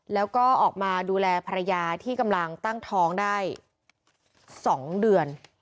แล้วก็ออกมาดูแลภรรยาที่กำลังตั้งท้องได้๒เดือน